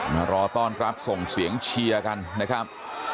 มารอต้อนรับส่งเสียงเชียร์กันนะครับ